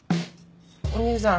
お義兄さん